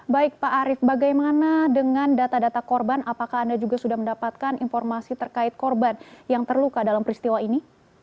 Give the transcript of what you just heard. baik pak arief bagaimana dengan data data korban apakah anda juga sudah mendapatkan informasi terkait korban yang terluka dalam peristiwa ini